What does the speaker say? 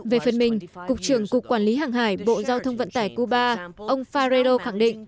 về phần mình cục trưởng cục quản lý hàng hải bộ giao thông vận tải cuba ông farero khẳng định